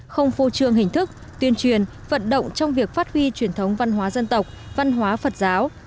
không phô trương hình thức tuyên truyền vận động trong việc phát huy truyền thống văn hóa dân tộc văn hóa phật giáo